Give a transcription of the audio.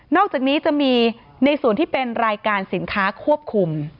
อกจากนี้จะมีในส่วนที่เป็นรายการสินค้าควบคุม